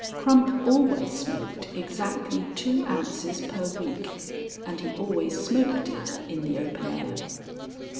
(Crump always smoked exactly two ounces per week and he always smoked it in the open air.)